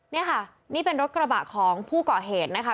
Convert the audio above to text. นี่ค่ะนี่เป็นรถกระบะของผู้ก่อเหตุนะคะ